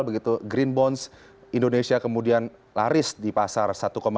begitu green bonds indonesia kemudian laris di pasar